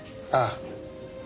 ああ。